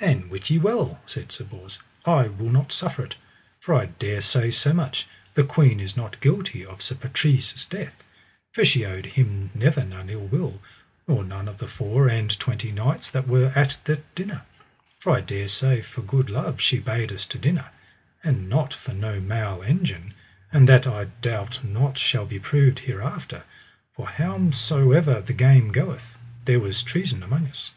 And wit ye well, said Sir Bors, I will not suffer it, for I dare say so much, the queen is not guilty of Sir Patrise's death, for she owed him never none ill will, nor none of the four and twenty knights that were at that dinner; for I dare say for good love she bade us to dinner, and not for no mal engine, and that I doubt not shall be proved hereafter, for howsomever the game goeth, there was treason among us.